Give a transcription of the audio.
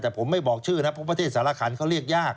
แต่ผมไม่บอกชื่อนะเพราะประเทศสารคันเขาเรียกยาก